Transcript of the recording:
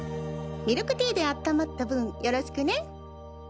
ミルクティーで温まった分よろしくね。